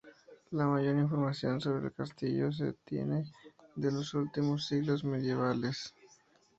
La mayor información sobre el castillo se tiene de los últimos siglos medievales.